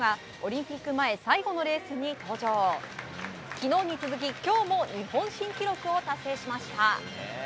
昨日に続き、今日も日本新記録を達成しました。